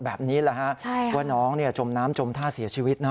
แบบนี้แหละฮะว่าน้องจมน้ำจมท่าเสียชีวิตนะ